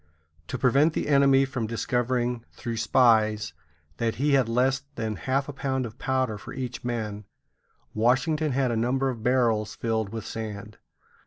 To prevent the enemy from discovering, through spies, that he had less than half a pound of powder for each man, Washington had a number of barrels filled with sand.